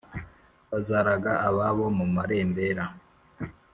Bazaraga ababo mu marembera